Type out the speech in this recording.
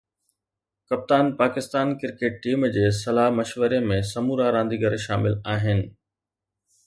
ڪپتان Pakistan cricket team جي صلاح مشوري ۾ سمورا رانديگر شامل آهن